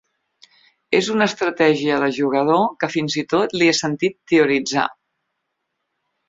És una estratègia de jugador que fins i tot li he sentit teoritzar.